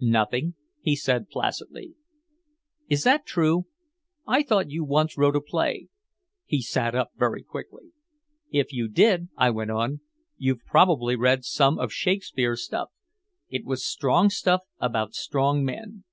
"Nothing," he said placidly. "Is that true? I thought you once wrote a play." He sat up very quickly. "If you did," I went on, "you've probably read some of Shakespeare's stuff. It was strong stuff about strong men.